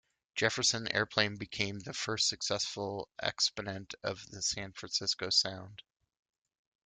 Jefferson Airplane became the first successful exponent of the San Francisco Sound.